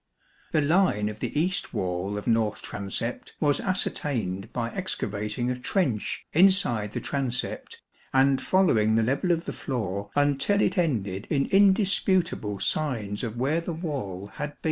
The line of the east wall of north transept was ascertained by excavating a trench inside the transept and following the level of the floor until it ended in indisputable signs of where the wall had been.